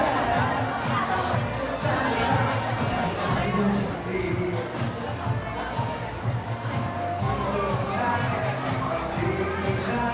ดีขึ้นแล้วค่ะปกติแข็งแรงแต่คราวนี้คงไปเจอแบบเชื้อไวรัส